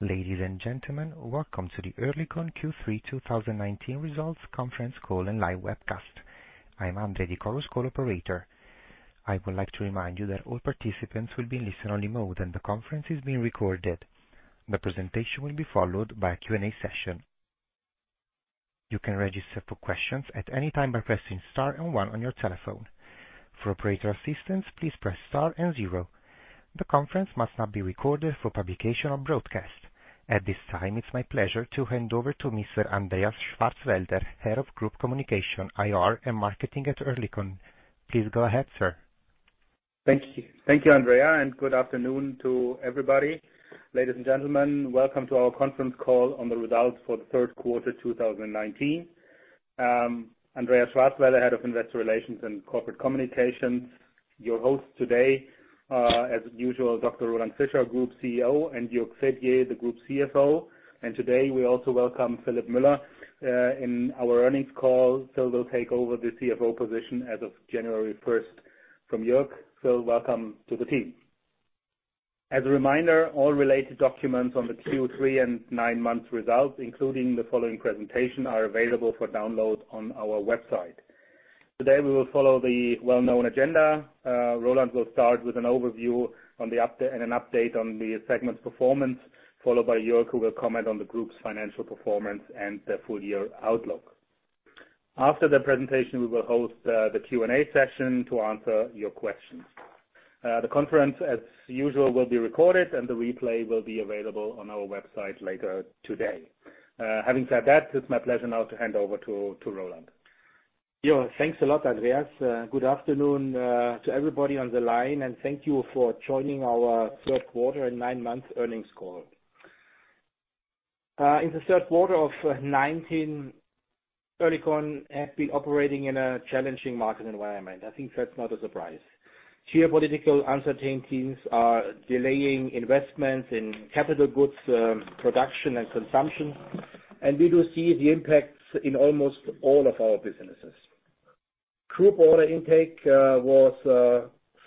Ladies and gentlemen, welcome to the Oerlikon Q3 2019 results conference call and live webcast. I am Andre, the conference call operator. I would like to remind you that all participants will be in listen-only mode and the conference is being recorded. The presentation will be followed by a Q&A session. You can register for questions at any time by pressing star and one on your telephone. For operator assistance, please press star and zero. The conference must not be recorded for publication or broadcast. At this time, it's my pleasure to hand over to Mr. Andreas Geywitz, Head of Group Communications, IR, and Marketing at Oerlikon. Please go ahead, sir. Thank you, Andre. Good afternoon to everybody. Ladies and gentlemen, welcome to our conference call on the results for the third quarter 2019. Andreas Geywitz, Head of Investor Relations and Corporate Communications, your host today, as usual, Dr. Roland Fischer, Group CEO, and Jürg Fedier, the Group CFO. Today we also welcome Philipp Müller in our earnings call. Philipp will take over the CFO position as of January 1st from Jürg. Philipp, welcome to the team. As a reminder, all related documents on the Q3 and nine months results, including the following presentation, are available for download on our website. Today, we will follow the well-known agenda. Roland will start with an overview and an update on the segment's performance, followed by Jürg, who will comment on the group's financial performance and the full-year outlook. After the presentation, we will host the Q&A session to answer your questions. The conference, as usual, will be recorded and the replay will be available on our website later today. Having said that, it is my pleasure now to hand over to Roland. Yeah. Thanks a lot, Andreas. Good afternoon to everybody on the line, and thank you for joining our third quarter and nine months earnings call. In the third quarter of 2019, Oerlikon has been operating in a challenging market environment. I think that is not a surprise. Geopolitical uncertainties are delaying investments in capital goods production and consumption, and we do see the impacts in almost all of our businesses. Group order intake was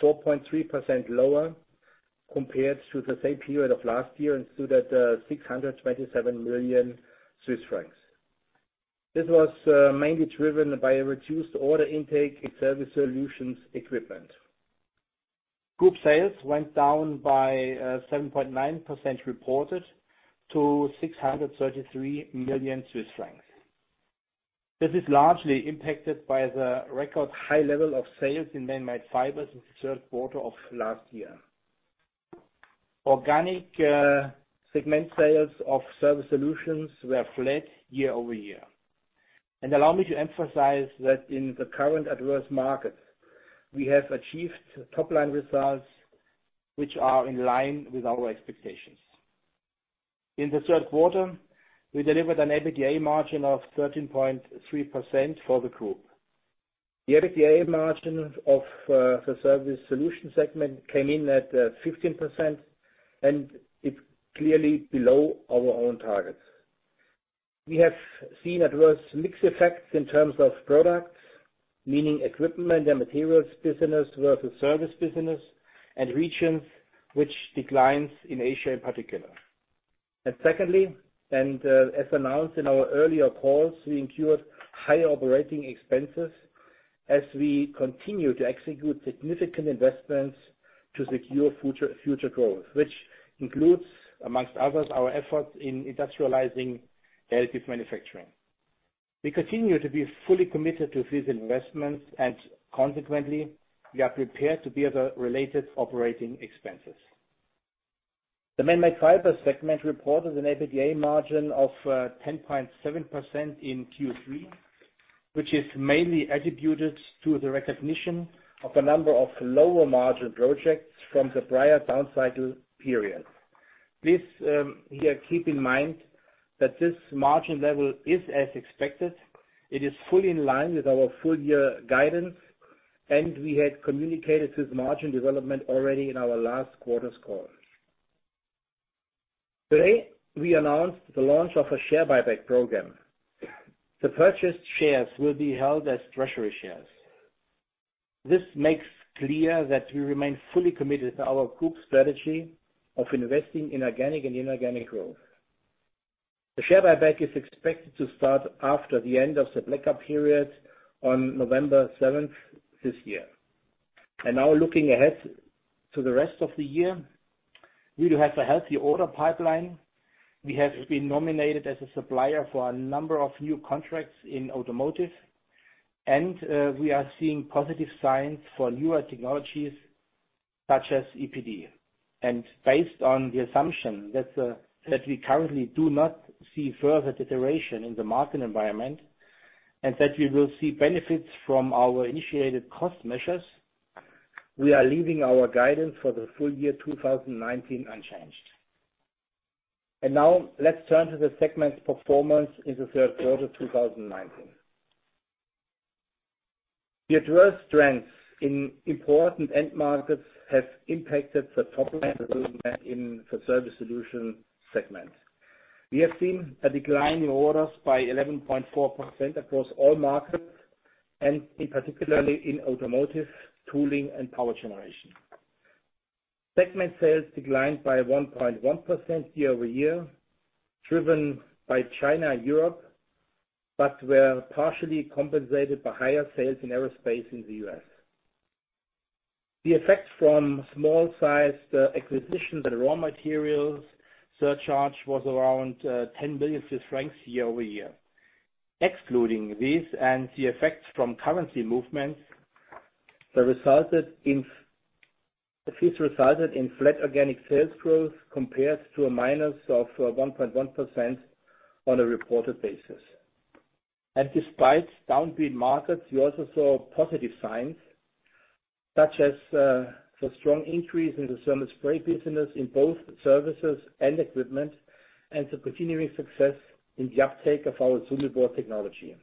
4.3% lower compared to the same period of last year and stood at 627 million Swiss francs. This was mainly driven by a reduced order intake in Surface Solutions equipment. Group sales went down by 7.9% reported to 633 million Swiss francs. This is largely impacted by the record high level of sales in Manmade Fibers in the third quarter of last year. Organic segment sales of Surface Solutions were flat year-over-year. Allow me to emphasize that in the current adverse market, we have achieved top-line results which are in line with our expectations. In the third quarter, we delivered an EBITDA margin of 13.3% for the group. The EBITDA margin of the Surface Solutions Segment came in at 15%, and it's clearly below our own targets. We have seen adverse mix effects in terms of products, meaning equipment and materials business versus service business and regions, which declines in Asia in particular. Secondly, as announced in our earlier calls, we incurred higher operating expenses as we continue to execute significant investments to secure future growth, which includes, amongst others, our efforts in industrializing additive manufacturing. We continue to be fully committed to these investments and consequently, we are prepared to bear the related operating expenses. The Manmade Fibers Segment reported an EBITDA margin of 10.7% in Q3, which is mainly attributed to the recognition of a number of lower margin projects from the prior downcycle period. Please here keep in mind that this margin level is as expected. It is fully in line with our full-year guidance, and we had communicated this margin development already in our last quarter's call. Today, we announced the launch of a share buyback program. The purchased shares will be held as treasury shares. This makes clear that we remain fully committed to our group strategy of investing in organic and inorganic growth. The share buyback is expected to start after the end of the black-out period on November 7th this year. Now looking ahead to the rest of the year, we do have a healthy order pipeline. We have been nominated as a supplier for a number of new contracts in automotive, and we are seeing positive signs for newer technologies such as ePD. Based on the assumption that we currently do not see further deterioration in the market environment and that we will see benefits from our initiated cost measures, we are leaving our guidance for the full year 2019 unchanged. Now let's turn to the segment's performance in the third quarter 2019. The adverse trends in important end markets have impacted the top line development in the Surface Solutions Segment. We have seen a decline in orders by 11.4% across all markets, and in particular in automotive, tooling, and power generation. Segment sales declined by 1.1% year-over-year, driven by China and Europe, but were partially compensated by higher sales in aerospace in the U.S. The effect from small-sized acquisitions and raw materials surcharge was around 10 million Swiss francs year-over-year. Excluding these and the effects from currency movements, this resulted in flat organic sales growth compared to a minus of 1.1% on a reported basis. Despite downbeat markets, we also saw positive signs, such as the strong increase in the thermal spray business in both services and equipment, and the continuing success in the uptake of our SUMEBore technology.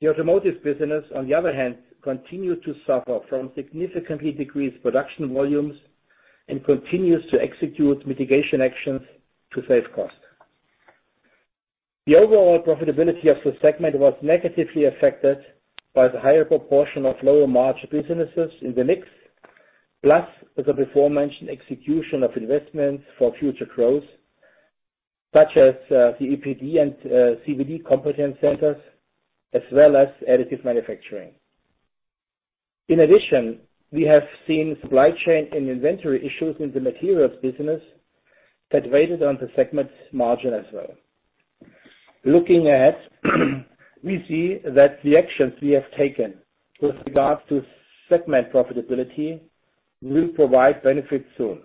The automotive business, on the other hand, continued to suffer from significantly decreased production volumes and continues to execute mitigation actions to save cost. The overall profitability of the segment was negatively affected by the higher proportion of lower margin businesses in the mix. The aforementioned execution of investments for future growth, such as the ePD and CVD competence centers, as well as additive manufacturing. In addition, we have seen supply chain and inventory issues in the materials business that weighed on the segment margin as well. Looking ahead, we see that the actions we have taken with regards to segment profitability will provide benefits soon.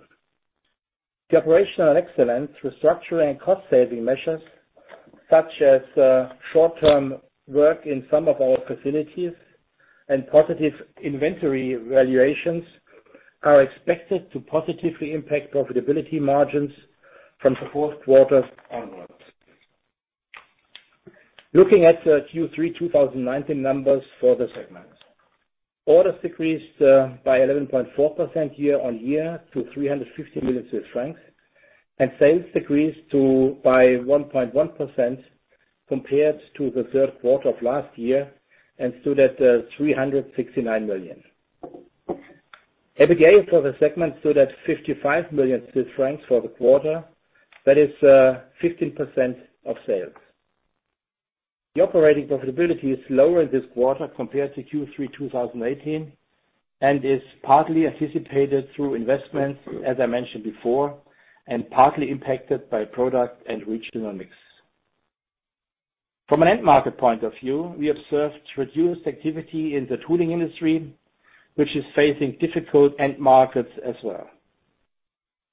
The operational excellence restructuring and cost-saving measures such as short-term work in some of our facilities and positive inventory valuations are expected to positively impact profitability margins from the fourth quarter onwards. Looking at the Q3 2019 numbers for the segment. Orders decreased by 11.4% year-on-year to 350 million Swiss francs, and sales decreased by 1.1% compared to the third quarter of last year and stood at 369 million. EBITDA for the segment stood at 55 million Swiss francs for the quarter. That is 15% of sales. The operating profitability is lower this quarter compared to Q3 2018 and is partly anticipated through investments, as I mentioned before, and partly impacted by product and regional mix. From an end market point of view, we observed reduced activity in the tooling industry, which is facing difficult end markets as well.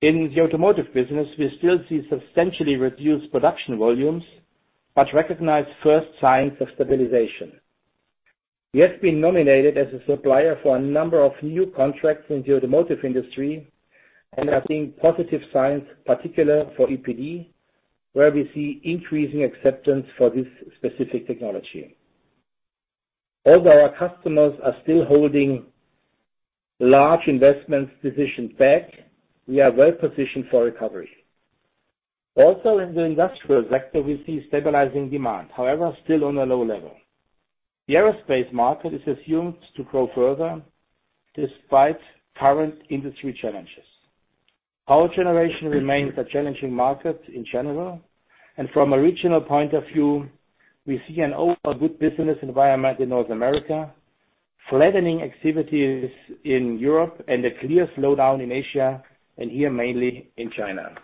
In the automotive business, we still see substantially reduced production volumes, but recognize first signs of stabilization. We have been nominated as a supplier for a number of new contracts in the automotive industry and are seeing positive signs, particular for ePD, where we see increasing acceptance for this specific technology. Although our customers are still holding large investments positions back, we are well positioned for recovery. Also, in the industrial sector, we see stabilizing demand. However, still on a low level. The aerospace market is assumed to grow further despite current industry challenges. Our generation remains a challenging market in general. From a regional point of view, we see an overall good business environment in North America, flattening activities in Europe and a clear slowdown in Asia, and here, mainly in China.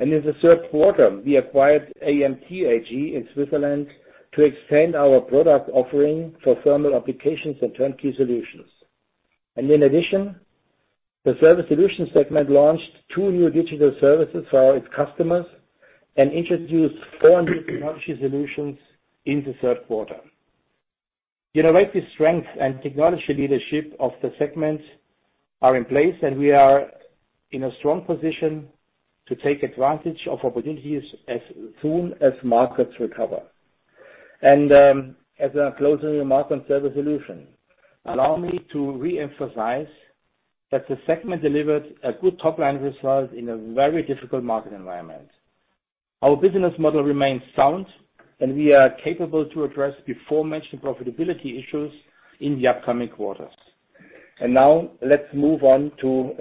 In the third quarter, we acquired AMT AG in Switzerland to extend our product offering for thermal applications and turnkey solutions. In addition, the Surface Solutions Segment launched two new digital services for its customers and introduced four new technology solutions in the third quarter. Innovative strength and technology leadership of the segment are in place, and we are in a strong position to take advantage of opportunities as soon as markets recover. As I close the remarks on Surface Solutions, allow me to reemphasize that the segment delivered a good top-line result in a very difficult market environment. Our business model remains sound, we are capable to address before-mentioned profitability issues in the upcoming quarters. Now let's move on to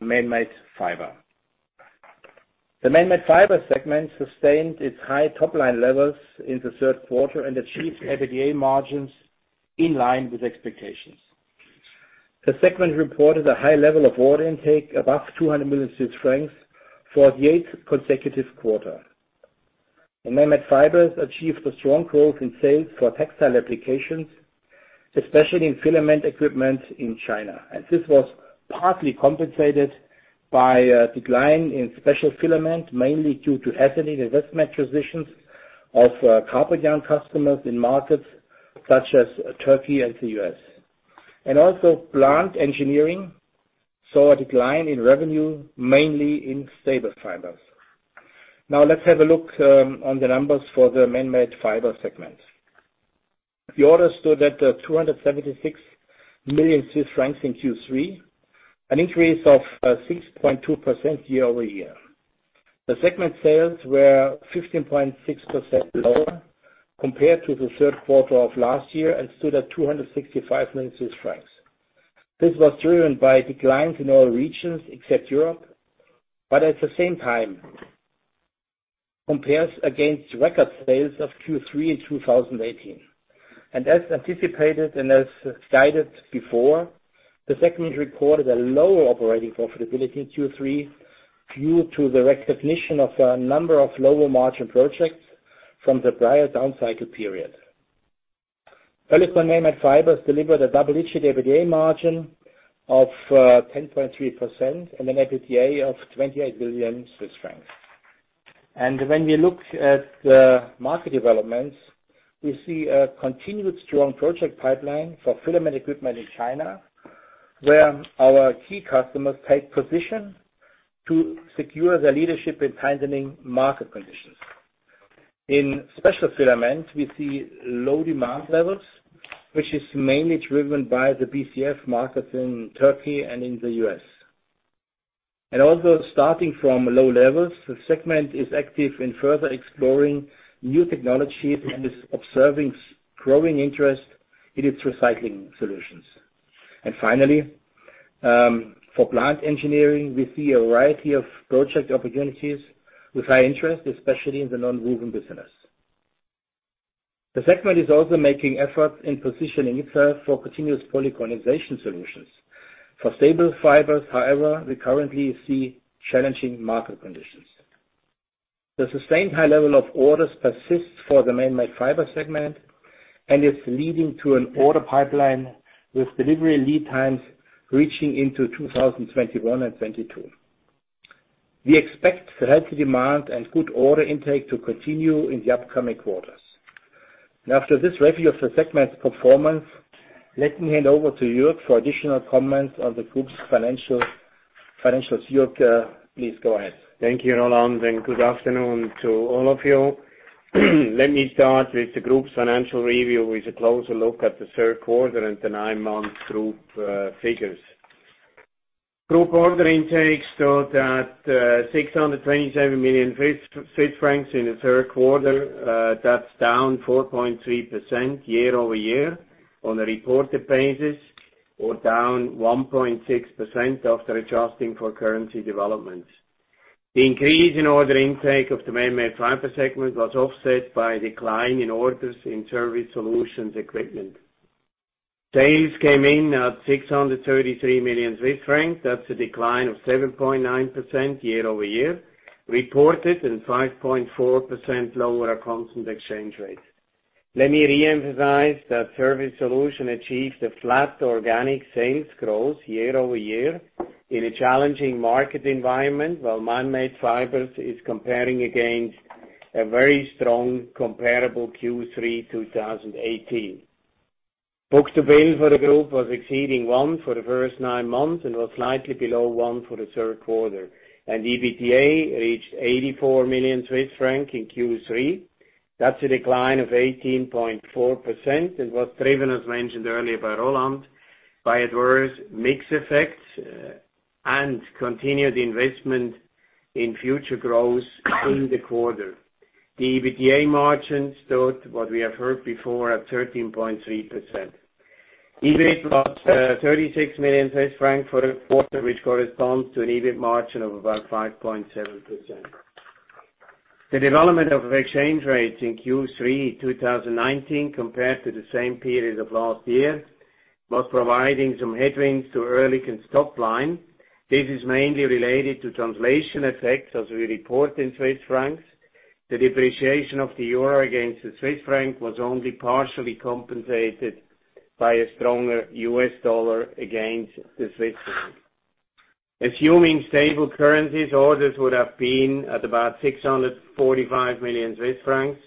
Manmade Fibers. The Manmade Fibers Segment sustained its high top-line levels in the third quarter and achieved EBITDA margins in line with expectations. The segment reported a high level of order intake above 200 million francs for the eighth consecutive quarter. Manmade Fibers achieved a strong growth in sales for textile applications, especially in filament equipment in China, and this was partly compensated by a decline in special filament, mainly due to ethylene investment positions of carbon yarn customers in markets such as Turkey and the U.S. Also plant engineering saw a decline in revenue, mainly in staple fibers. Let's have a look on the numbers for the Manmade Fibers Segment. The orders stood at 276 million Swiss francs in Q3, an increase of 6.2% year-over-year. The segment sales were 15.6% lower compared to the third quarter of last year and stood at 265 million Swiss francs. This was driven by declines in all regions except Europe, at the same time compares against record sales of Q3 in 2018. As anticipated and as guided before, the segment reported a lower operating profitability in Q3 due to the recognition of a number of lower margin projects from the prior down cycle period. [inaudible] Manmade Fibers Segment delivered a double-digit EBITDA margin of 10.3% and an EBITDA of 28 million Swiss francs. When we look at the market developments, we see a continued strong project pipeline for filament equipment in China, where our key customers take position to secure their leadership in tightening market conditions. In special filaments, we see low demand levels, which is mainly driven by the BCF markets in Turkey and in the U.S. Also starting from low levels, the segment is active in further exploring new technologies and is observing growing interest in its recycling solutions. Finally, for plant engineering, we see a variety of project opportunities with high interest, especially in the nonwoven business. The segment is also making efforts in positioning itself for continuous polycondensation solutions. For staple fibers, however, we currently see challenging market conditions. The sustained high level of orders persists for the Manmade Fibers Segment and is leading to an order pipeline with delivery lead times reaching into 2021 and 2022. We expect healthy demand and good order intake to continue in the upcoming quarters. To this review of the segment's performance, let me hand over to Jürg for additional comments on the group's financials. Jürg, please go ahead. Thank you, Roland. Good afternoon to all of you. Let me start with the group's financial review with a closer look at the third quarter and the nine-month group figures. Group order intake stood at 627 million francs in the third quarter. That's down 4.3% year-over-year on a reported basis, or down 1.6% after adjusting for currency developments. The increase in order intake of the Manmade Fibers Segment was offset by a decline in orders in Surface Solutions equipment. Sales came in at 633 million Swiss francs. That's a decline of 7.9% year-over-year, reported and 5.4% lower at constant exchange rates. Let me reemphasize that Surface Solutions achieved a flat organic sales growth year-over-year in a challenging market environment, while Manmade Fibers is comparing against a very strong comparable Q3 2018. Book-to-bill for the group was exceeding one for the first nine months and was slightly below one for the third quarter. EBITDA reached 84 million Swiss francs in Q3. That's a decline of 18.4% and was driven, as mentioned earlier by Roland, by adverse mix effects and continued investment in future growth in the quarter. The EBITDA margin stood, what we have heard before, at 13.3%. EBIT was 36 million franc for the quarter, which corresponds to an EBIT margin of about 5.7%. The development of exchange rates in Q3 2019 compared to the same period of last year was providing some headwinds to Oerlikon's top line. This is mainly related to translation effects as we report in Swiss francs. The depreciation of the euro against the Swiss franc was only partially compensated by a stronger US dollar against the Swiss franc. Assuming stable currencies, orders would have been at about 645 million Swiss francs,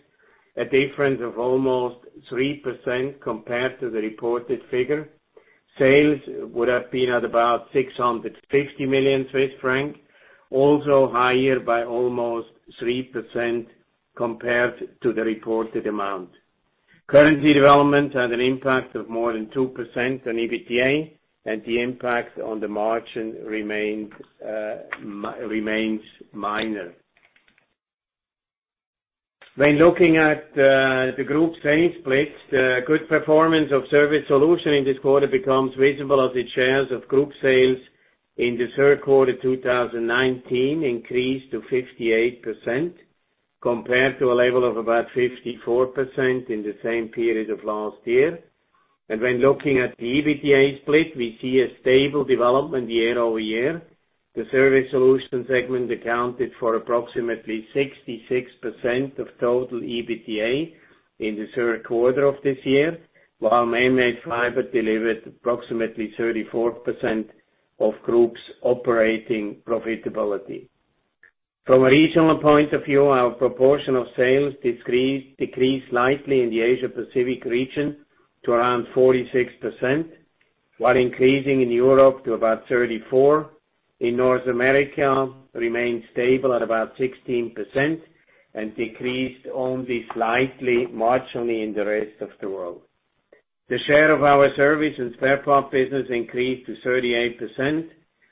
a difference of almost 3% compared to the reported figure. Sales would have been at about 650 million Swiss francs, also higher by almost 3% compared to the reported amount. Currency development had an impact of more than 2% on EBITDA, the impact on the margin remains minor. When looking at the Group sales split, the good performance of Surface Solutions in this quarter becomes visible as its shares of Group sales in the third quarter 2019 increased to 58%, compared to a level of about 54% in the same period of last year. When looking at the EBITDA split, we see a stable development year-over-year. The Surface Solutions Segment accounted for approximately 66% of total EBITDA in the third quarter of this year, while Manmade Fibers delivered approximately 34% of group's operating profitability. From a regional point of view, our proportion of sales decreased lightly in the Asia Pacific region to around 46%, while increasing in Europe to about 34%, in North America remained stable at about 16%, and decreased only slightly, marginally in the rest of the world. The share of our service and spare part business increased to 38%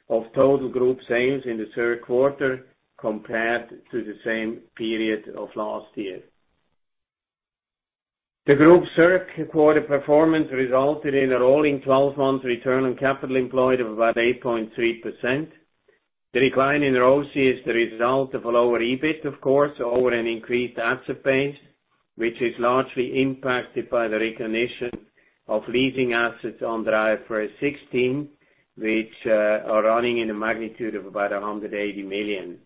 of total group sales in the third quarter compared to the same period of last year. The group's third quarter performance resulted in a rolling 12 months return on capital employed of about 8.3%. The decline in ROCE is the result of a lower EBIT, of course, over an increased asset base, which is largely impacted by the recognition of leasing assets under IFRS 16, which are running in a magnitude of about 180 million.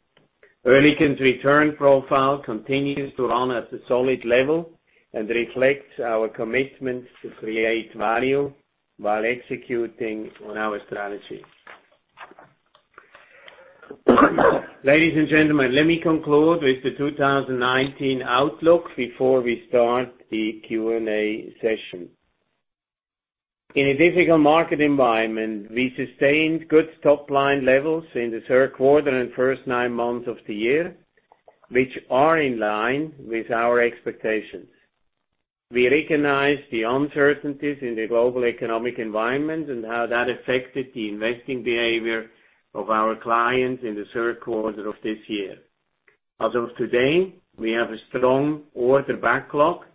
Oerlikon's return profile continues to run at a solid level and reflects our commitment to create value while executing on our strategy. Ladies and gentlemen, let me conclude with the 2019 outlook before we start the Q&A session. In a difficult market environment, we sustained good top-line levels in the third quarter and first nine months of the year, which are in line with our expectations. We recognize the uncertainties in the global economic environment and how that affected the investing behavior of our clients in the third quarter of this year. As of today, we have a strong order backlog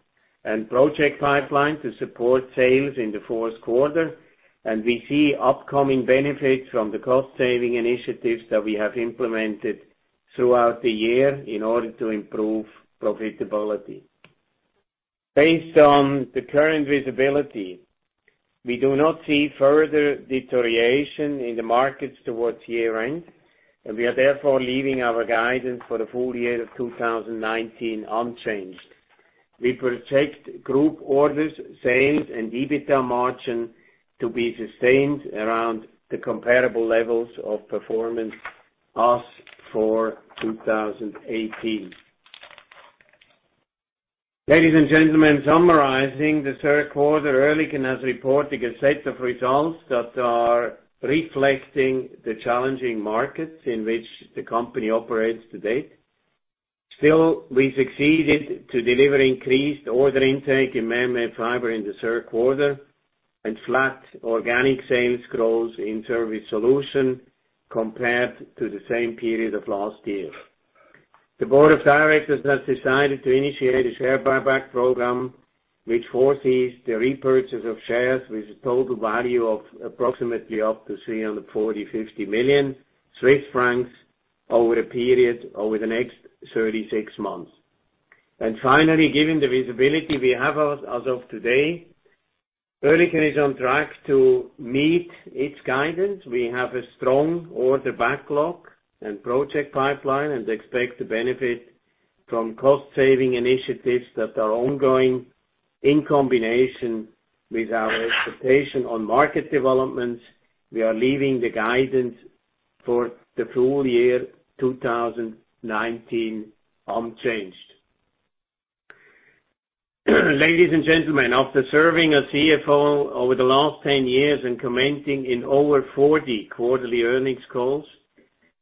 and project pipeline to support sales in the fourth quarter. We see upcoming benefits from the cost-saving initiatives that we have implemented throughout the year in order to improve profitability. Based on the current visibility, we do not see further deterioration in the markets towards year-end. We are therefore leaving our guidance for the full year of 2019 unchanged. We project group orders, sales, and EBITDA margin to be sustained around the comparable levels of performance as for 2018. Ladies and gentlemen, summarizing the third quarter, Oerlikon has reported a set of results that are reflecting the challenging markets in which the company operates to date. Still, we succeeded to deliver increased order intake in Manmade Fibers in the third quarter and flat organic sales growth in Surface Solutions compared to the same period of last year. The board of directors has decided to initiate a share buyback program, which foresees the repurchase of shares with a total value of approximately up to 340 million-350 million Swiss francs over the next 36 months. Finally, given the visibility we have as of today, Oerlikon is on track to meet its guidance. We have a strong order backlog and project pipeline and expect to benefit from cost-saving initiatives that are ongoing. In combination with our expectation on market developments, we are leaving the guidance for the full year 2019 unchanged. Ladies and gentlemen, after serving as CFO over the last 10 years and commenting in over 40 quarterly earnings calls,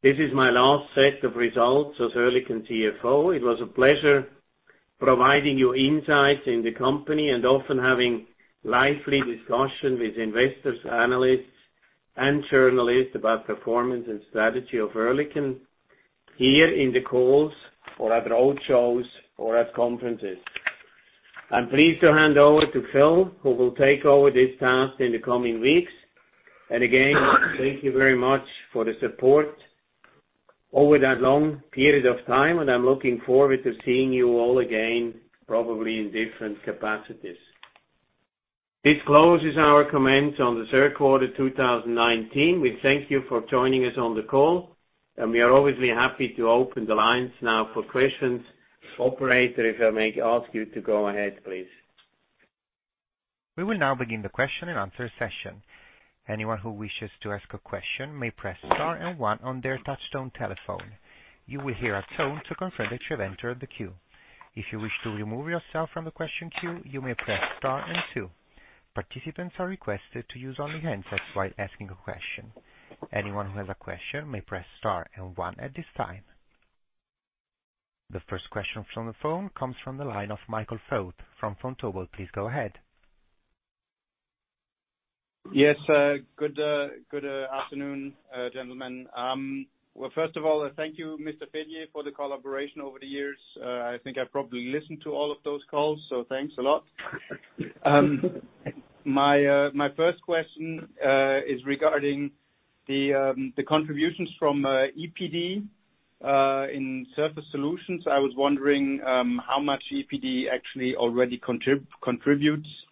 this is my last set of results as Oerlikon CFO. It was a pleasure providing you insight in the company and often having lively discussion with investors, analysts, and journalists about performance and strategy of Oerlikon here in the calls or at road shows or at conferences. I'm pleased to hand over to Phil, who will take over this task in the coming weeks. Again, thank you very much for the support over that long period of time, and I'm looking forward to seeing you all again, probably in different capacities. This closes our comments on the third quarter 2019. We thank you for joining us on the call, and we are obviously happy to open the lines now for questions. Operator, if I may ask you to go ahead, please. We will now begin the question and answer session. Anyone who wishes to ask a question may press star and one on their touchtone telephone. You will hear a tone to confirm that you have entered the queue. If you wish to remove yourself from the question queue, you may press star and two. Participants are requested to use only handsets while asking a question. Anyone who has a question may press star and one at this time. The first question from the phone comes from the line of Michael Foeth from Vontobel. Please go ahead. Yes. Good afternoon, gentlemen. Well, first of all, thank you Mr. Fedier for the collaboration over the years. I think I probably listened to all of those calls, so thanks a lot. My first question is regarding the contributions from ePD in Surface Solutions. I was wondering how much ePD actually already contributes to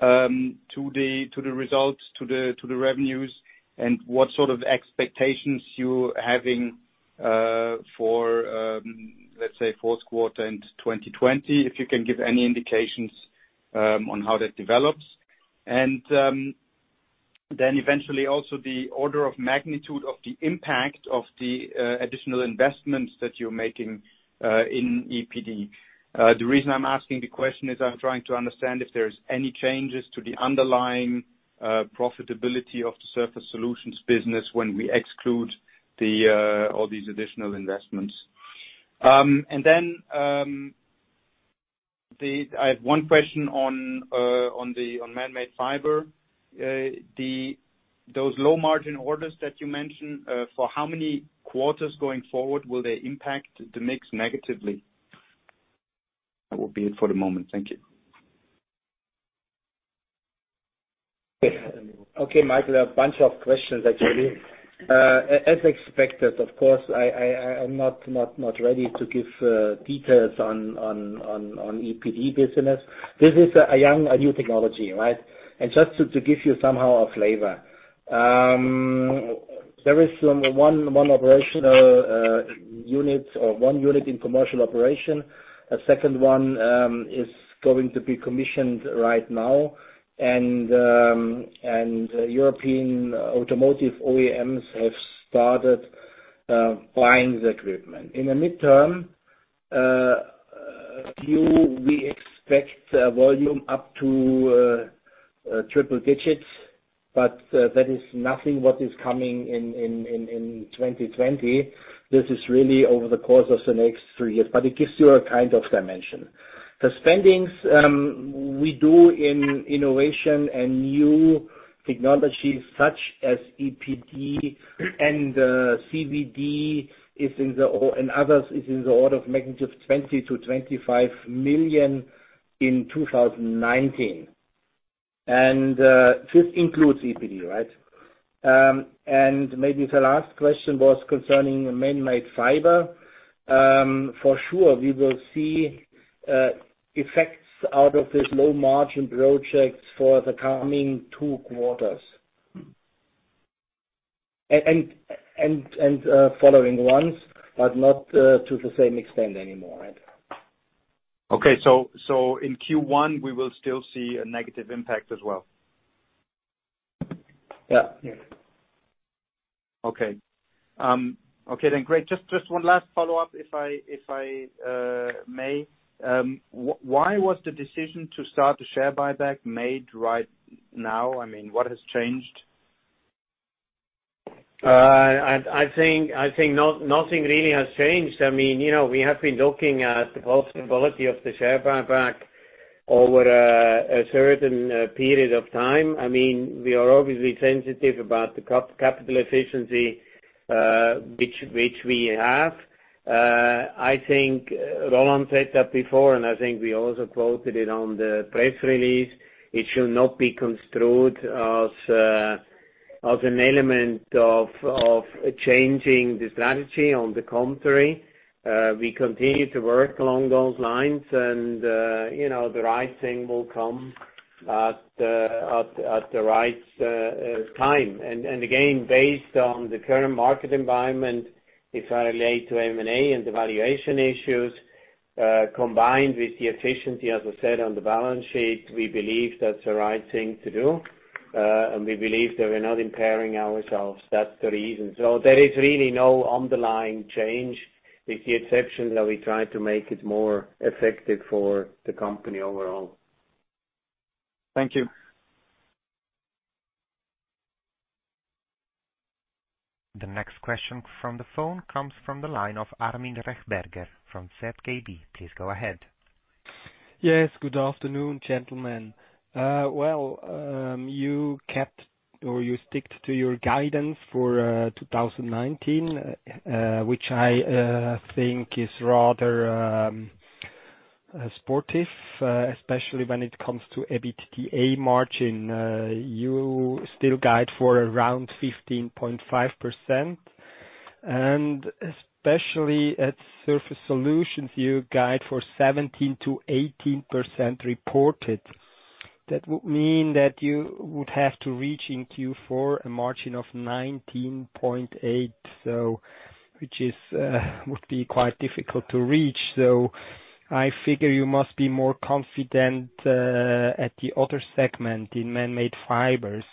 the results, to the revenues, and what sort of expectations you're having for, let's say, fourth quarter and 2020, if you can give any indications on how that develops. Eventually also the order of magnitude of the impact of the additional investments that you're making in ePD. The reason I'm asking the question is I'm trying to understand if there's any changes to the underlying profitability of the Surface Solutions business when we exclude all these additional investments. Then, I have one question on Manmade Fibers. Those low margin orders that you mentioned, for how many quarters going forward will they impact the mix negatively? That will be it for the moment. Thank you. Okay, Michael, a bunch of questions actually. As expected, of course, I'm not ready to give details on ePD business. This is a young, a new technology, right? Just to give you somehow a flavor. There is one operational unit or one unit in commercial operation. A second one is going to be commissioned right now. European automotive OEMs have started buying the equipment. In the midterm, we expect volume up to triple digits, but that is nothing what is coming in 2020. This is really over the course of the next three years, but it gives you a kind of dimension. The spendings we do in innovation and new technologies such as ePD and CVD and others is in the order of magnitude of 20 million to 25 million in 2019. This includes ePD, right? Maybe the last question was concerning Manmade Fibers. For sure, we will see effects out of these low margin projects for the coming two quarters. Following ones, but not to the same extent anymore, right? Okay. In Q1, we will still see a negative impact as well? Yeah. Okay. Great. Just one last follow-up, if I may. Why was the decision to start the share buyback made right now? What has changed? I think nothing really has changed. We have been looking at the possibility of the share buyback over a certain period of time. We are obviously sensitive about the capital efficiency, which we have. I think Roland said that before, and I think we also quoted it on the press release. It should not be construed as an element of changing the strategy. On the contrary, we continue to work along those lines and the right thing will come at the right time. Again, based on the current market environment, if I relate to M&A and the valuation issues, combined with the efficiency, as I said, on the balance sheet, we believe that's the right thing to do. We believe that we're not impairing ourselves. That's the reason. There is really no underlying change, with the exception that we try to make it more effective for the company overall. Thank you. The next question from the phone comes from the line of Armin Rechberger from ZKB. Please go ahead. Yes. Good afternoon, gentlemen. Well, you kept or you stuck to your guidance for 2019, which I think is rather sportive, especially when it comes to EBITDA margin. You still guide for around 15.5%. Especially at Surface Solutions, you guide for 17%-18% reported. That would mean that you would have to reach in Q4 a margin of 19.8%, which would be quite difficult to reach. I figure you must be more confident at the other segment in Manmade Fibers.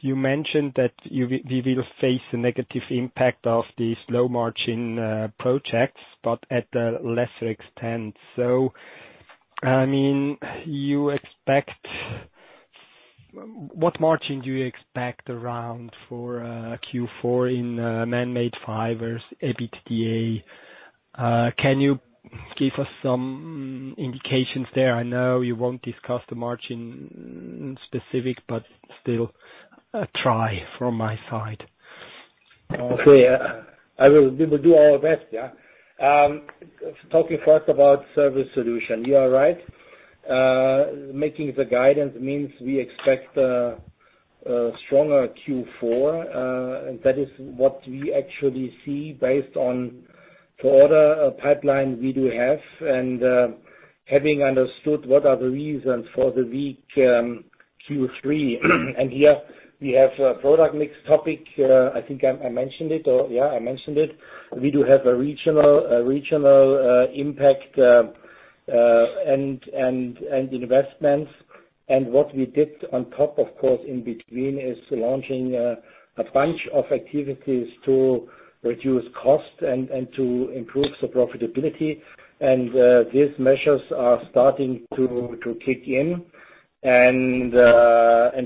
You mentioned that we will face a negative impact of these low margin projects, at a lesser extent. What margin do you expect around for Q4 in Manmade Fibers, EBITDA? Can you give us some indications there? I know you won't discuss the margin specific, still a try from my side. Okay. We will do our best, yeah. Talking first about Surface Solutions. You are right. Making the guidance means we expect a stronger Q4. That is what we actually see based on the order pipeline we do have and having understood what are the reasons for the weak Q3. Here we have a product mix topic. I think I mentioned it or, yeah, I mentioned it. We do have a regional impact and investments. What we did on top, of course, in between, is launching a bunch of activities to reduce costs and to improve the profitability. These measures are starting to kick in.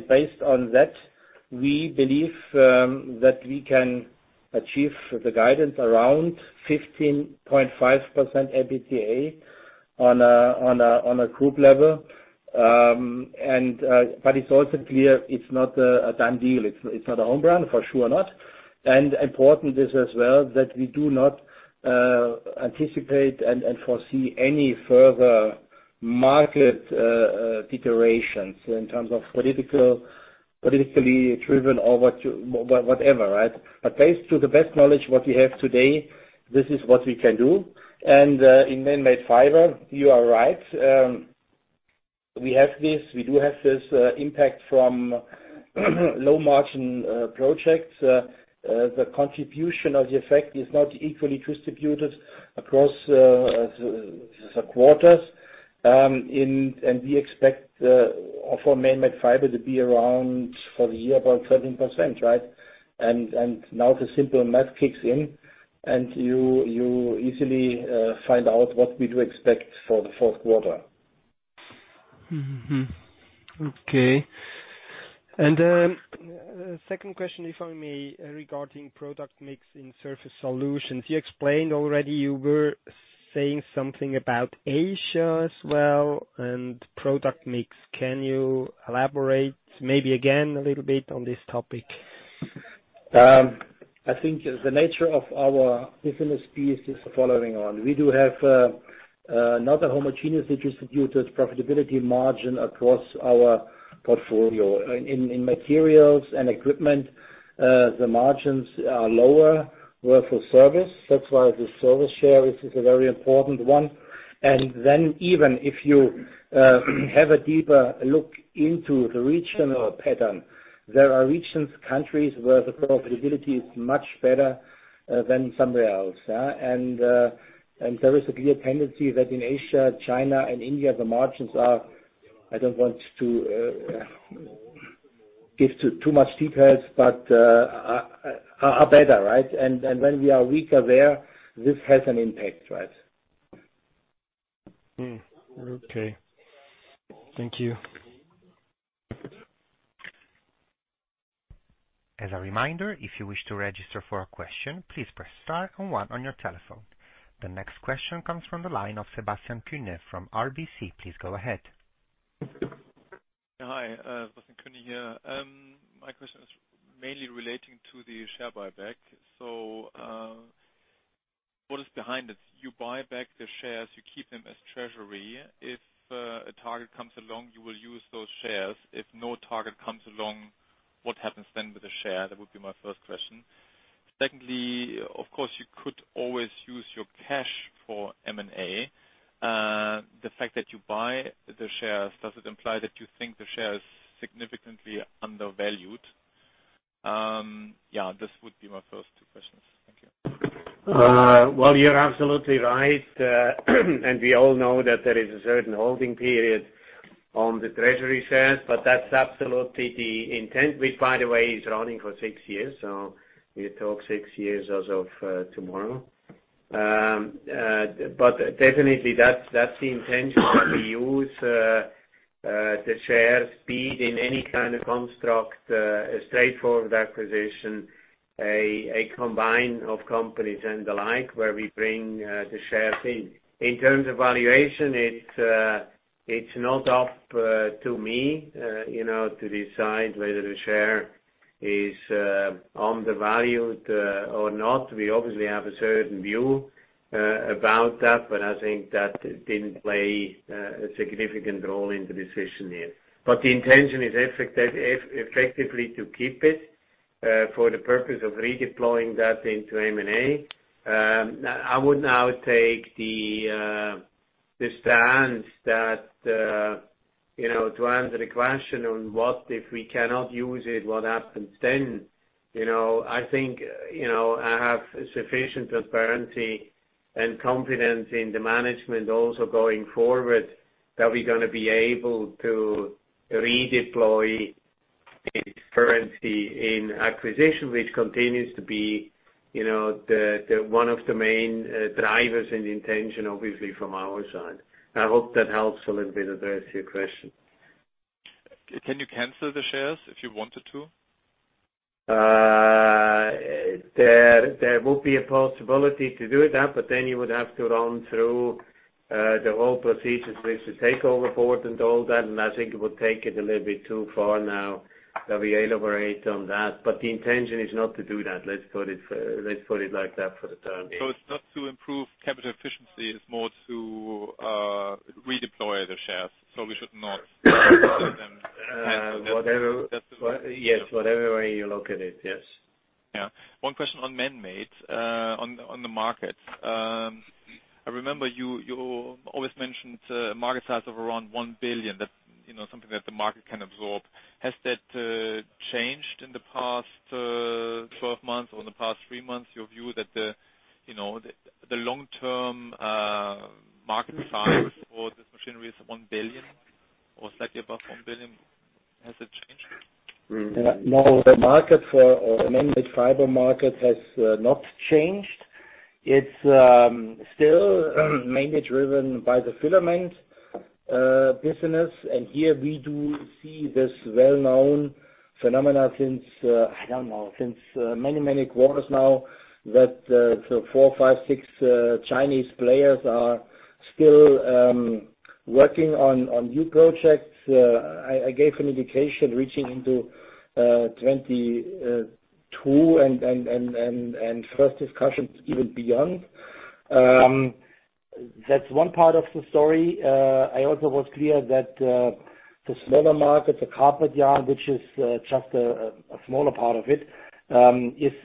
Based on that, we believe that we can achieve the guidance around 15.5% EBITDA on a group level. It's also clear it's not a done deal. It's not a home run, for sure not. Important is as well, that we do not anticipate and foresee any further market deterioration in terms of politically driven or whatever, right? Based to the best knowledge what we have today, this is what we can do. In Manmade Fibers, you are right. We do have this impact from low margin projects. The contribution of the effect is not equally distributed across the quarters. We expect for Manmade Fibers to be around for the year, about 13%, right? Now the simple math kicks in and you easily find out what we do expect for the fourth quarter. Mm-hmm. Okay. Second question, if I may, regarding product mix in Surface Solutions. You explained already you were saying something about Asia as well and product mix. Can you elaborate maybe again a little bit on this topic? I think the nature of our business piece is the following. We do have not a homogeneous distributed profitability margin across our portfolio. In materials and equipment, the margins are lower where for service, that's why the service share is a very important one. Even if you have a deeper look into the regional pattern, there are regions, countries where the profitability is much better than somewhere else. There is a clear tendency that in Asia, China, and India, the margins are, I don't want to give too much details, but are better, right? When we are weaker there, this has an impact, right? Okay. Thank you. As a reminder, if you wish to register for a question, please press star and one on your telephone. The next question comes from the line of Sebastian Kuenne from RBC. Please go ahead. Hi, Sebastian Kuenne here. My question is mainly relating to the share buyback. What is behind it? You buy back the shares, you keep them as treasury. If a target comes along, you will use those shares. If no target comes along, what happens then with the share? That would be my first question. Secondly, of course, you could always use your cash for M&A. The fact that you buy the shares, does it imply that you think the share is significantly undervalued? This would be my first two questions. Thank you. Well, you're absolutely right. We all know that there is a certain holding period on the treasury shares, but that's absolutely the intent. Which by the way, is running for six years. We talk six years as of tomorrow. Definitely, that's the intention, that we use the shares, be it in any kind of construct, a straightforward acquisition, a combine of companies and the like, where we bring the shares in. In terms of valuation, it's not up to me to decide whether the share is undervalued or not. We obviously have a certain view about that, but I think that didn't play a significant role in the decision here. The intention is effectively to keep it, for the purpose of redeploying that into M&A. I would now take the stance that, to answer the question on what if we cannot use it, what happens then? I think, I have sufficient transparency and confidence in the management also going forward that we're going to be able to redeploy this currency in acquisition, which continues to be one of the main drivers and intention, obviously from our side. I hope that helps a little bit address your question. Can you cancel the shares if you wanted to? There will be a possibility to do that, but then you would have to run through the whole procedures with the takeover board and all that, and I think it would take it a little bit too far now that we elaborate on that. The intention is not to do that. Let's put it like that for the time being. It's not to improve capital efficiency, it's more to redeploy the shares, so we should not- cancel them. Yes. Whatever way you look at it, yes. Yeah. One question on Manmade, on the market. I remember you always mentioned market size of around 1 billion, that's something that the market can absorb. Has that changed in the past? In 12 months or in the past three months, your view that the long-term market size for this machinery is 1 billion or slightly above 1 billion, has it changed? No. The Manmade Fibers market has not changed. It's still mainly driven by the filament business. Here we do see this well-known phenomenon since, I don't know, since many, many quarters now that four, five, six Chinese players are still working on new projects. I gave an indication reaching into 2022, and first discussions even beyond. That's one part of the story. I also was clear that the smaller market, the carpet yarn, which is just a smaller part of it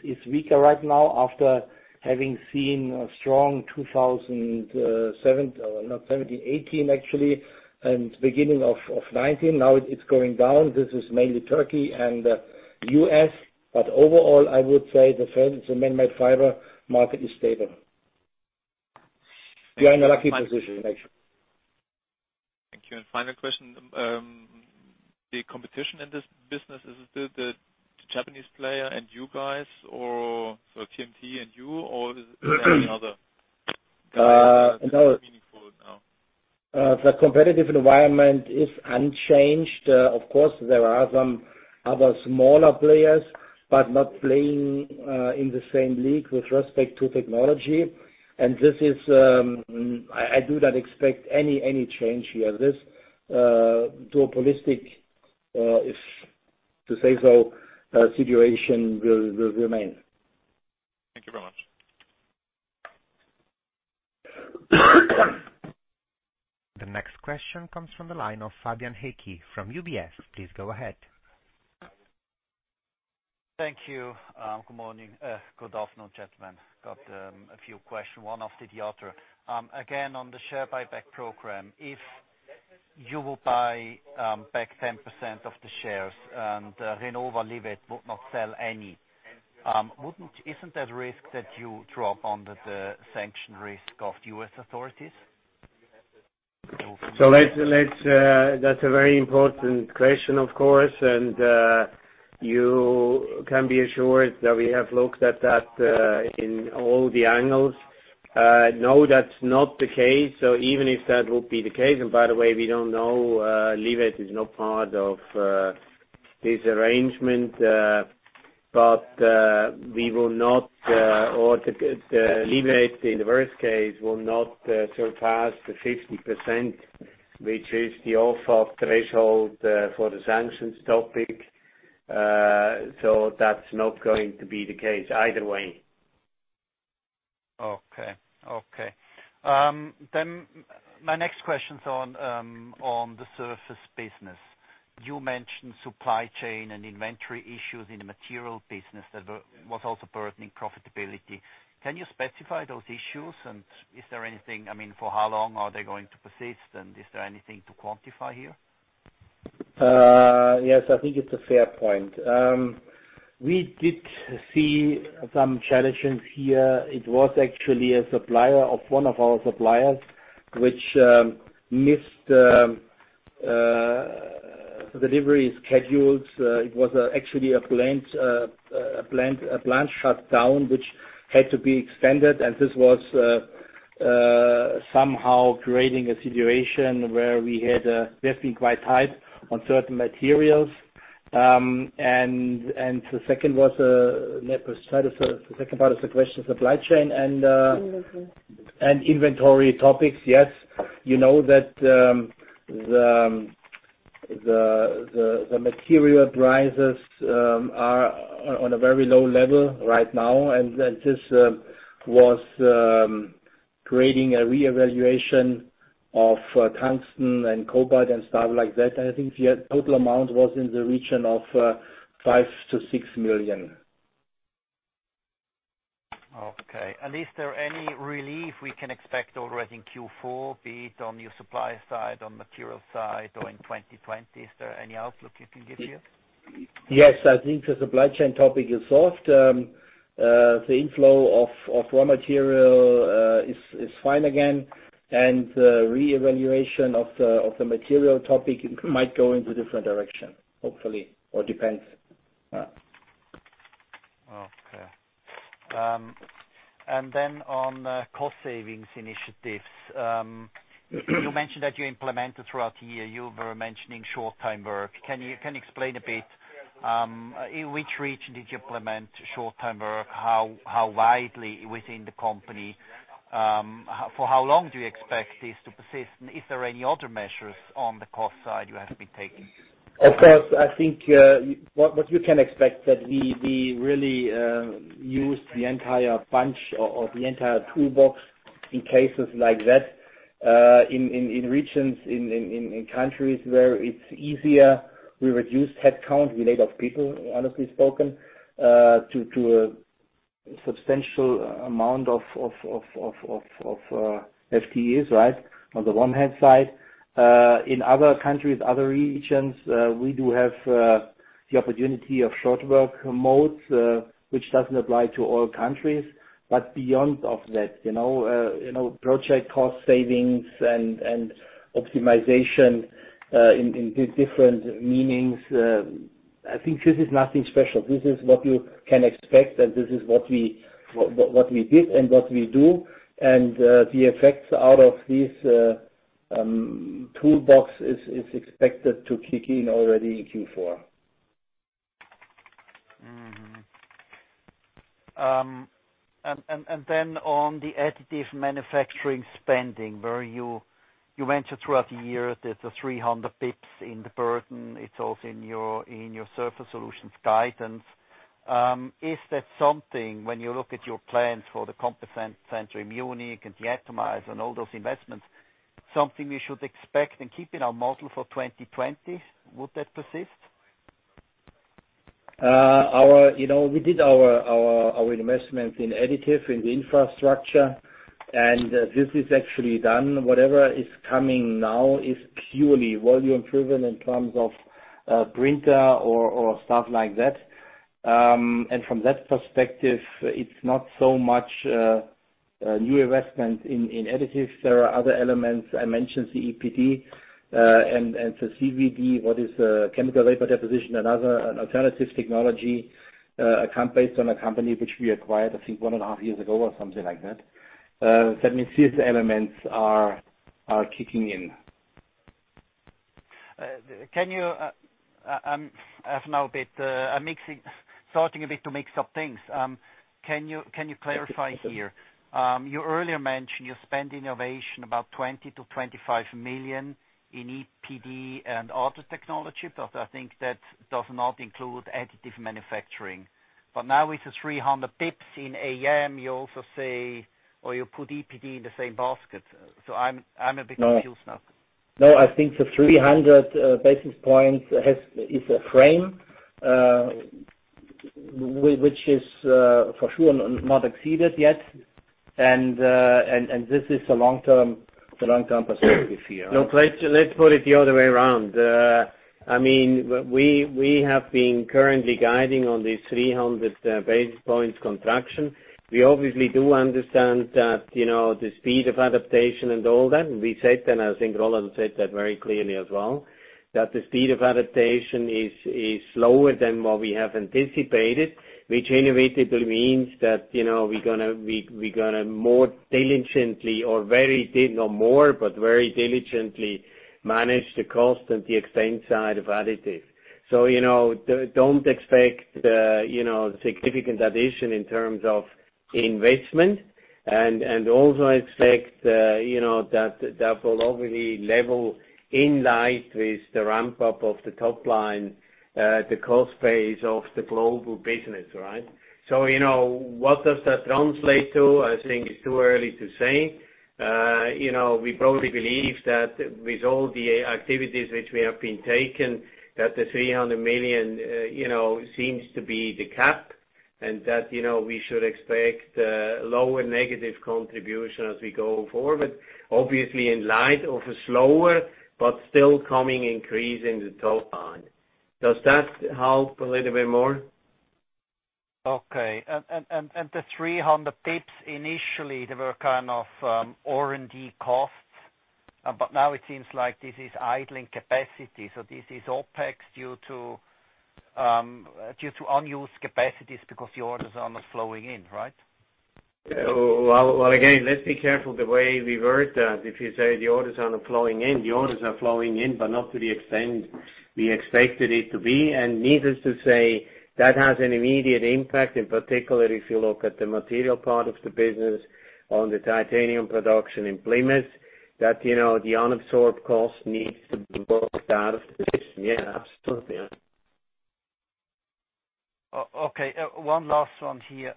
is weaker right now after having seen a strong 2018, actually, and beginning of 2019. Now it's going down. This is mainly Turkey and U.S. Overall, I would say the Manmade Fibers market is stable. We are in a lucky position actually. Thank you. Final question. The competition in this business is the Japanese player and you guys, or so TMT and you, or is there any other meaningful now? The competitive environment is unchanged. Of course, there are some other smaller players, but not playing in the same league with respect to technology. I do not expect any change here. This duopolistic, if to say so, situation will remain. Thank you very much. The next question comes from the line of Fabian Haecki from UBS. Please go ahead. Thank you. Good morning. Good afternoon, gentlemen. Got a few questions, one after the other. Again, on the share buyback program, if you will buy back 10% of the shares and Renova Liwet would not sell any, isn't that risk that you drop under the sanction risk of U.S. authorities? That's a very important question, of course, and you can be assured that we have looked at that in all the angles. No, that's not the case. Even if that would be the case, and by the way, we don't know, Liwet is not part of this arrangement. Liwet in the worst case will not surpass the 50%, which is the offer threshold for the sanctions topic. That's not going to be the case either way. Okay. My next question is on the Surface Solutions business. You mentioned supply chain and inventory issues in the material business that was also burdening profitability. Can you specify those issues? Is there anything, I mean, for how long are they going to persist, and is there anything to quantify here? Yes, I think it's a fair point. We did see some challenges here. It was actually a supplier of one of our suppliers, which missed delivery schedules. This was somehow creating a situation where we have been quite tight on certain materials. The second part of the question is supply chain. Inventory inventory topics. Yes. You know that the material prices are on a very low level right now, and this was creating a reevaluation of tungsten and cobalt and stuff like that. I think the total amount was in the region of 5 million-6 million. Okay. Is there any relief we can expect already in Q4, be it on your supply side, on material side, or in 2020? Is there any outlook you can give here? Yes, I think the supply chain topic is solved. The inflow of raw material is fine again. Reevaluation of the material topic might go in the different direction, hopefully, or depends. Okay. On cost savings initiatives. You mentioned that you implemented throughout the year. You were mentioning short time work. Can you explain a bit, in which region did you implement short time work? How widely within the company? For how long do you expect this to persist? Is there any other measures on the cost side you have been taking? Of course, I think what you can expect that we really use the entire bunch or the entire toolbox in cases like that. In regions, in countries where it's easier, we reduce headcount. We lay off people, honestly spoken, to a substantial amount of FTEs, right? On the one hand side. In other countries, other regions, we do have the opportunity of short work modes, which doesn't apply to all countries. Beyond that, project cost savings and optimization in different meanings, I think this is nothing special. This is what you can expect, and this is what we did and what we do. The effects out of this toolbox is expected to kick in already in Q4. On the additive manufacturing spending, where you mentioned throughout the year, there's a 300 basis points in the burden. It's also in your Surface Solutions guidance. Is that something, when you look at your plans for the competence center in Munich and the atomizer and all those investments, something we should expect and keep in our model for 2020? Would that persist? We did our investments in additive, in the infrastructure, and this is actually done. Whatever is coming now is purely volume-driven in terms of printer or stuff like that. From that perspective, it's not so much a new investment in additive. There are other elements. I mentioned the ePD and the CVD, what is chemical vapor deposition, another alternative technology based on a company which we acquired, I think, one and a half years ago or something like that. These elements are kicking in. I'm starting a bit to mix up things. Can you clarify here? You earlier mentioned you spend innovation about 20 million-25 million in ePD and other technology. I think that does not include additive manufacturing. Now with the 300 bips in AM, you also say, or you put ePD in the same basket. I'm a bit confused now. No, I think the 300 basis points is a frame, which is for sure not exceeded yet. This is the long-term perspective here. No, let's put it the other way around. We have been currently guiding on these 300 basis points contraction. We obviously do understand that the speed of adaptation and all that, and we said, and I think Roland said that very clearly as well, that the speed of adaptation is slower than what we have anticipated, which inevitably means that we're going to very diligently manage the cost and the expense side of additive. Don't expect significant addition in terms of investment and also expect that will overly level in light with the ramp-up of the top line, the cost base of the global business, right? What does that translate to? I think it's too early to say. We probably believe that with all the activities which we have been taking, that the 300 million seems to be the cap and that we should expect lower negative contribution as we go forward, obviously in light of a slower but still coming increase in the top line. Does that help a little bit more? Okay. The 300 basis points, initially, they were kind of R&D costs, but now it seems like this is idling capacity. This is OpEx due to unused capacities because the orders are not flowing in, right? Well, again, let's be careful the way we word that. If you say the orders are not flowing in, the orders are flowing in, but not to the extent we expected it to be. Needless to say, that has an immediate impact, and particularly if you look at the material part of the business on the titanium production in Plymouth, that the unabsorbed cost needs to be worked out of the system. Yeah, absolutely. Okay, one last one here.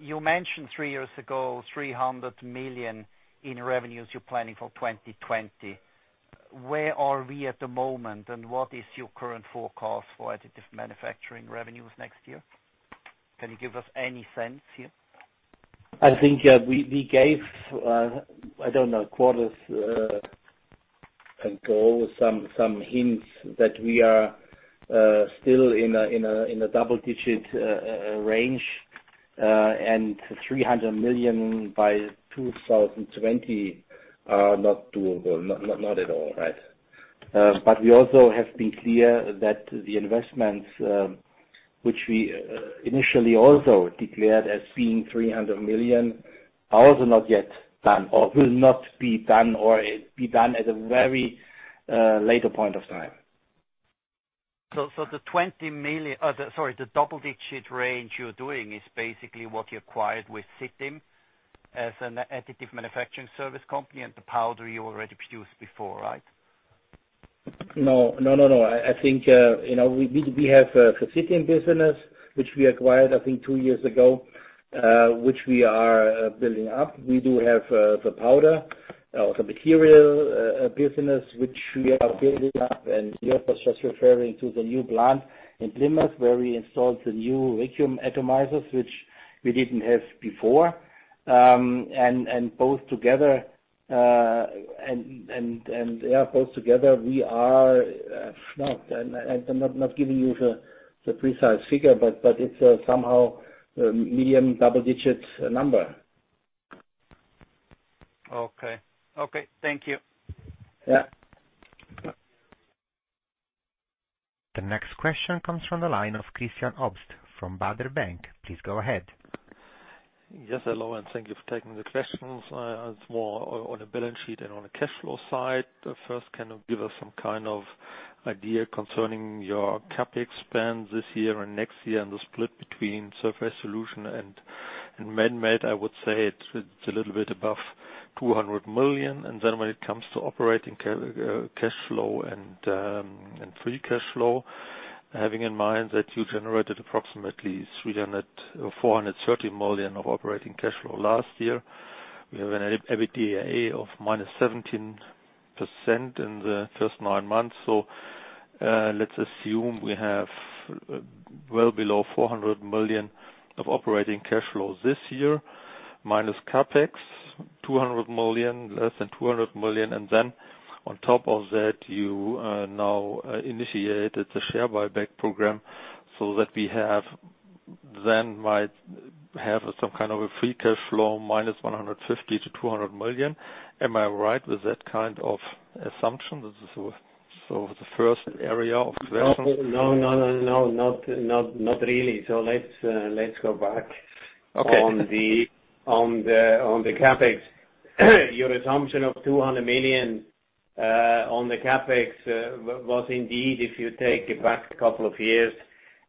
You mentioned three years ago, 300 million in revenues you're planning for 2020. Where are we at the moment, and what is your current forecast for additive manufacturing revenues next year? Can you give us any sense here? I think we gave, I don't know, quarters ago, some hints that we are still in a double-digit range. CHF 300 million by 2020 are not doable, not at all. We also have been clear that the investments, which we initially also declared as being 300 million, are also not yet done or will not be done, or be done at a very later point of time. The double-digit range you're doing is basically what you acquired with citim as an additive manufacturing service company and the powder you already produced before, right? No. I think, we have the citim business, which we acquired, I think, 2 years ago, which we are building up. We do have the powder, the material business, which we are building up, and Jürg was just referring to the new plant in Plymouth, where we installed the new vacuum atomizers, which we didn't have before. Both together we are not. I'm not giving you the precise figure, but it's somehow medium double digits number. Okay. Thank you. Yeah. The next question comes from the line of Christian Obst from Baader Bank. Please go ahead. Yes, hello. Thank you for taking the questions. It's more on the balance sheet and on the cash flow side. Can you give us some kind of idea concerning your CapEx spend this year and next year, and the split between Surface Solutions and Manmade? I would say it's a little bit above 200 million. When it comes to operating cash flow and free cash flow, having in mind that you generated approximately 430 million of operating cash flow last year. We have an EBITDA of -17% in the first nine months. Let's assume we have well below 400 million of operating cash flow this year, minus CapEx 200 million, less than 200 million. On top of that, you now initiated the share buyback program so that we have then might have some kind of a free cash flow minus 150 million-200 million. Am I right with that kind of assumption? This is the first area of questions. No. Not really. let's go back. Okay on the CapEx. Your assumption of 200 million on the CapEx was indeed, if you take it back a couple of years,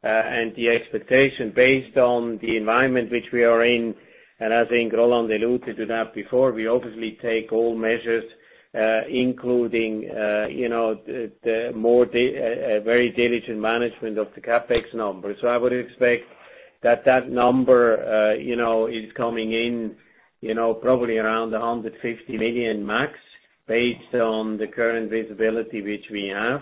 and the expectation based on the environment which we are in, and as I think Roland alluded to that before, we obviously take all measures including the very diligent management of the CapEx number. I would expect that that number is coming in probably around 150 million max based on the current visibility which we have.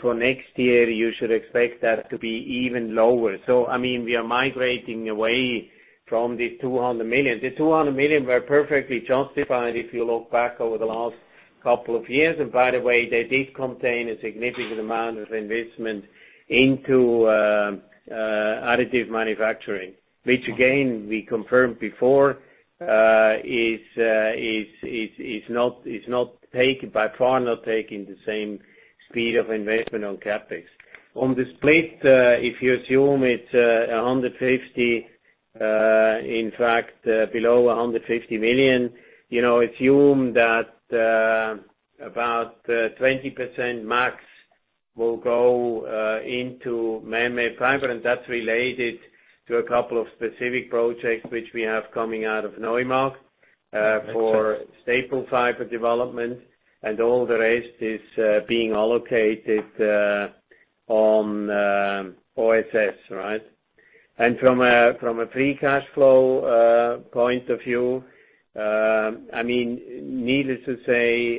For next year, you should expect that to be even lower. We are migrating away from the 200 million. The 200 million were perfectly justified if you look back over the last couple of years. By the way, they did contain a significant amount of investment into additive manufacturing, which again, we confirmed before is by far not taking the same speed of investment on CapEx. On the split, if you assume it's 150, in fact, below 150 million, assume that about 20% max will go into Manmade Fibers, and that's related to a couple of specific projects which we have coming out of Neumünster for staple fiber development, and all the rest is being allocated on OSS. Right? From a free cash flow point of view, needless to say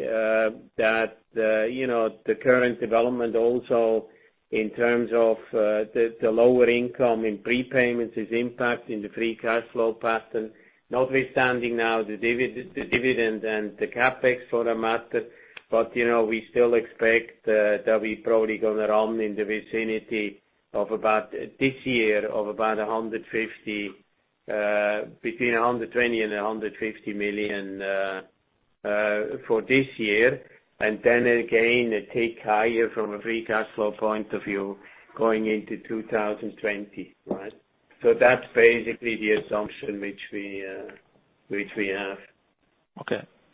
that the current development also in terms of the lower income in prepayments is impacting the free cash flow pattern, notwithstanding now the dividend and the CapEx for that matter. We still expect that we probably going to run in the vicinity this year of about 150 million, between 120 million and 150 million for this year. Then again, a tick higher from a free cash flow point of view going into 2020. Right? That's basically the assumption which we have.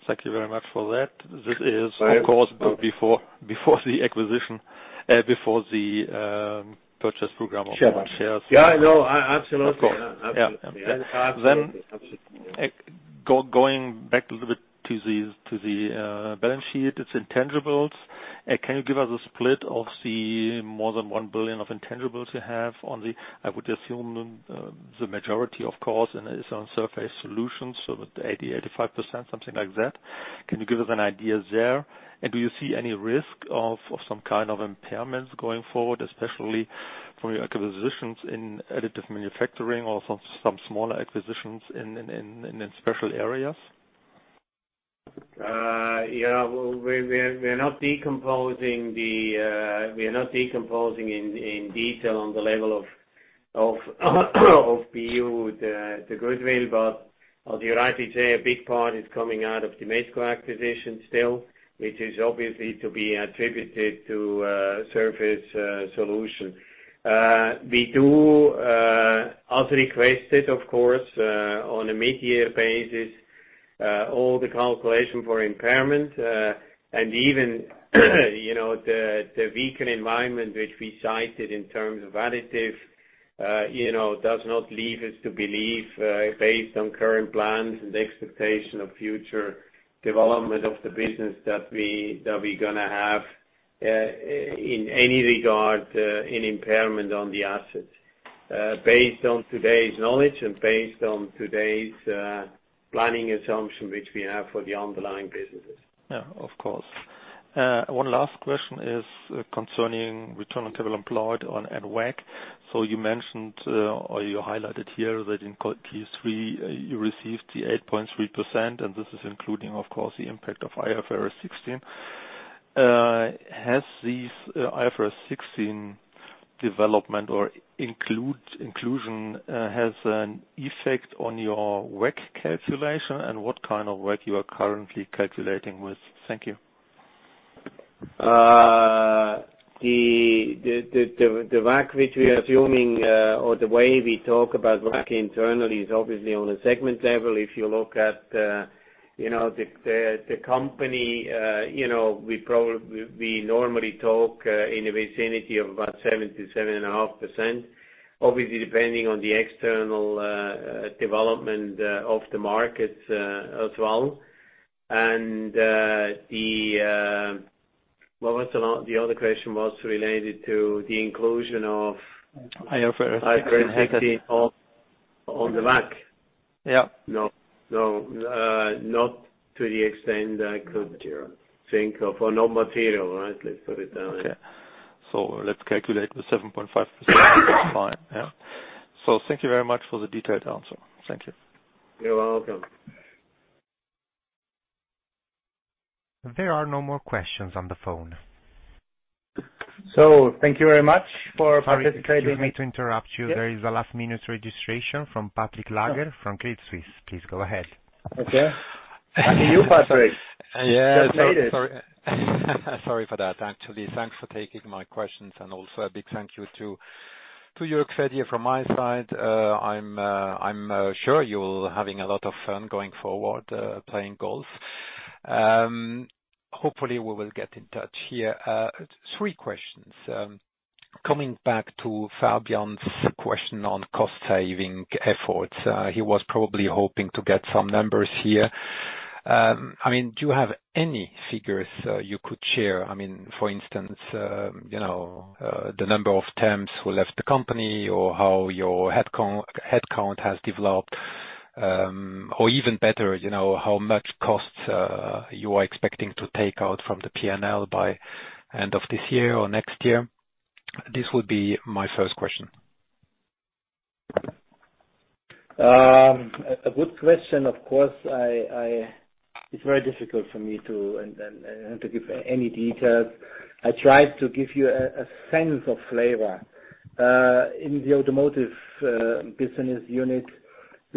Thank you very much for that. This is, of course, before the acquisition, before the purchase program of shares. Yeah, I know. Absolutely. Of course. Yeah. Going back a little bit to the balance sheet, its intangibles, can you give us a split of the more than 1 billion of intangibles you have? I would assume the majority, of course, is on Surface Solutions, so that 80%-85%, something like that. Can you give us an idea there? Do you see any risk of some kind of impairments going forward, especially from your acquisitions in additive manufacturing or some smaller acquisitions in the special areas? Yeah. We are not decomposing in detail on the level of BU with the goodwill, but you're right to say a big part is coming out of the Metco acquisition still, which is obviously to be attributed to Surface Solutions. We do as requested, of course, on a mid-year basis, all the calculation for impairment, and even the weakened environment which we cited in terms of additive does not leave us to believe based on current plans and expectation of future development of the business that we're going to have in any regard, an impairment on the assets based on today's knowledge and based on today's planning assumption which we have for the underlying businesses. Yeah, of course. One last question is concerning return on capital employed and WACC. You mentioned, or you highlighted here that in Q3 you received the 8.3%, and this is including, of course, the impact of IFRS 16. Has these IFRS 16 development or inclusion has an effect on your WACC calculation, and what kind of WACC you are currently calculating with? Thank you. The WACC which we are assuming, or the way we talk about WACC internally is obviously on a segment level. If you look at the company, we normally talk in a vicinity of about 7%-7.5%. Obviously, depending on the external development of the market as well. What was the other question, was related to the inclusion of- IFRS 16 IFRS 16 on the WACC? Yeah. No. Not to the extent I could think of, or non-material, let's put it that way. Okay. Let's calculate the 7.5%. That's fine, yeah. Thank you very much for the detailed answer. Thank you. You're welcome. There are no more questions on the phone. Thank you very much for participating. Sorry to interrupt you. There is a last-minute registration from Patrick Laager from Credit Suisse. Please go ahead. Okay. To you, Patrick. Yeah. Just made it. Sorry for that, actually. Thanks for taking my questions and also a big thank you to Jürg Fedier from my side. I'm sure you're having a lot of fun going forward, playing golf. Hopefully, we will get in touch here. Three questions. Coming back to Fabian's question on cost-saving efforts. He was probably hoping to get some numbers here. Do you have any figures you could share? For instance, the number of temps who left the company or how your headcount has developed, or even better, how much costs you are expecting to take out from the P&L by end of this year or next year? This would be my first question. A good question, of course. It's very difficult for me to give any details. I tried to give you a sense of flavor. In the automotive business unit,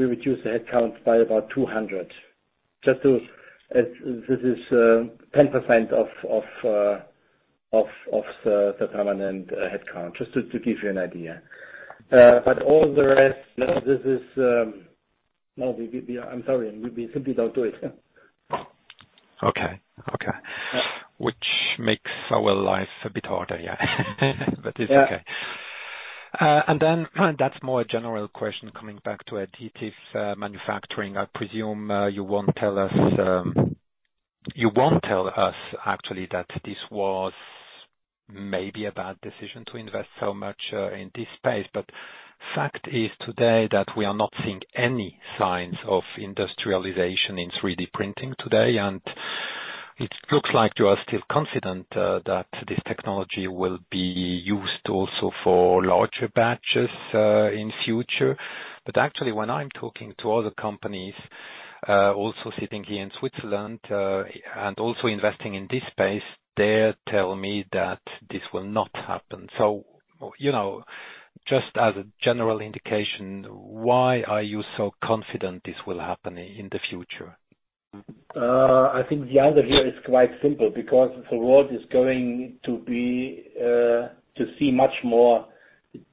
we reduced the headcount by about 200. This is 10% of the permanent headcount, just to give you an idea. All the rest, No, I'm sorry, we simply don't do it. Okay. Yeah. Which makes our life a bit harder, yeah. It's okay. Yeah. Then that's more a general question coming back to additive manufacturing. I presume you won't tell us actually that this was maybe a bad decision to invest so much in this space. Fact is today that we are not seeing any signs of industrialization in 3D printing today, and it looks like you are still confident that this technology will be used also for larger batches in future. Actually, when I'm talking to other companies, also sitting here in Switzerland, and also investing in this space, they tell me that this will not happen. Just as a general indication, why are you so confident this will happen in the future? I think the answer here is quite simple, because the world is going to see much more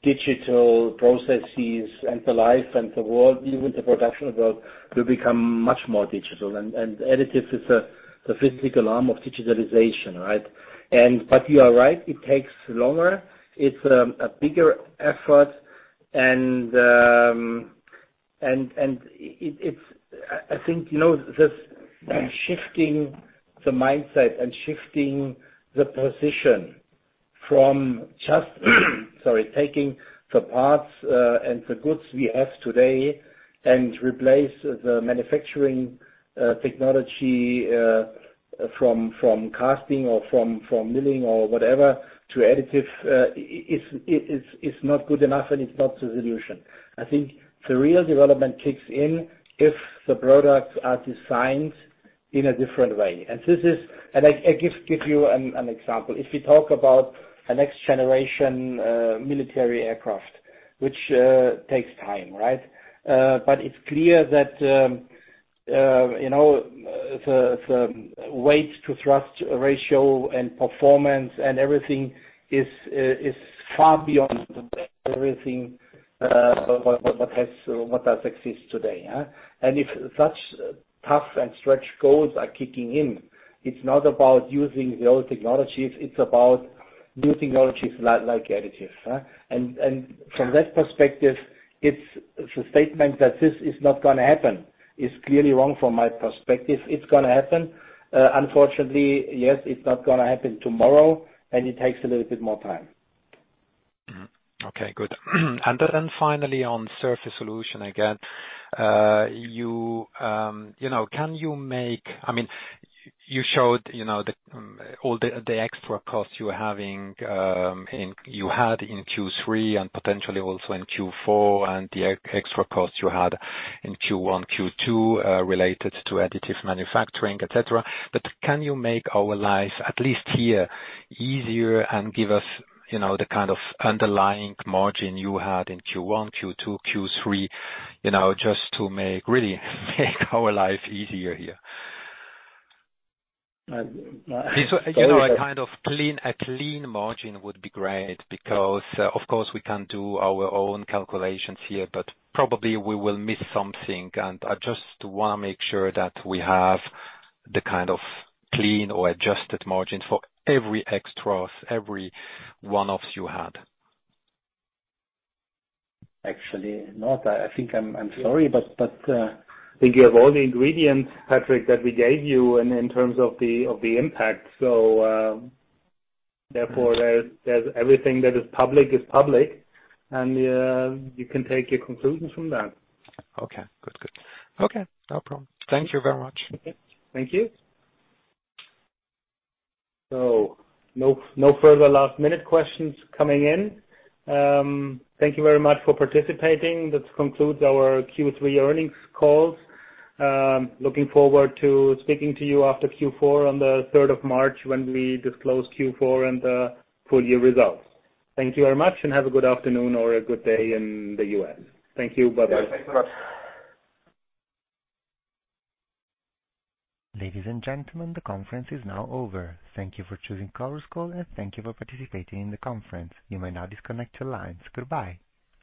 digital processes, and the life and the world, even the production world, will become much more digital. Additive is the physical arm of digitalization. You are right, it takes longer, it's a bigger effort, and I think, just shifting the mindset and shifting the position from just sorry, taking the parts and the goods we have today and replace the manufacturing technology from casting or from milling or whatever to additive, it's not good enough and it's not the solution. I think the real development kicks in if the products are designed in a different way. I give you an example. If we talk about a next-generation military aircraft, which takes time. It's clear that the weight to thrust ratio and performance and everything is far beyond everything what does exist today. If such tough and stretch goals are kicking in, it's not about using the old technologies, it's about new technologies like additives. From that perspective, the statement that this is not going to happen is clearly wrong from my perspective. It's going to happen. Unfortunately, yes, it's not going to happen tomorrow and it takes a little bit more time. Okay, good. Finally on Surface Solutions again, you showed all the extra costs you had in Q3 and potentially also in Q4 and the extra costs you had in Q1, Q2, related to additive manufacturing, et cetera. Can you make our lives, at least here, easier and give us the kind of underlying margin you had in Q1, Q2, Q3, just to really make our life easier here? I- A clean margin would be great because of course we can do our own calculations here, but probably we will miss something, and I just want to make sure that we have the kind of clean or adjusted margin for every extras, every one-offs you had. Actually, not. I think I'm sorry, but I think you have all the ingredients, Patrick, that we gave you in terms of the impact. Therefore, everything that is public is public and you can take your conclusions from that. Okay. Good. Okay. No problem. Thank you very much. Okay. Thank you. No further last minute questions coming in. Thank you very much for participating. This concludes our Q3 earnings call. Looking forward to speaking to you after Q4 on the 3rd of March when we disclose Q4 and the full year results. Thank you very much and have a good afternoon or a good day in the U.S. Thank you. Bye-bye. Yeah, thanks very much. Ladies and gentlemen, the conference is now over. Thank you for choosing Chorus Call and thank you for participating in the conference. You may now disconnect your lines. Goodbye.